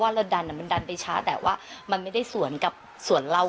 เราดันมันดันไปช้าแต่ว่ามันไม่ได้สวนกับสวนเรา